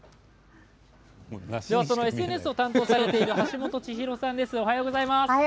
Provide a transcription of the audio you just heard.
ＳＮＳを担当している橋本千尋さんです。